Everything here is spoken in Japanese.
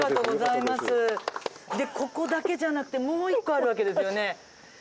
でここだけじゃなくてもう一個あるわけですよね。